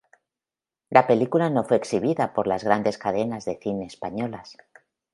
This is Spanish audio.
La película no fue exhibida por las grandes cadenas de cines españolas.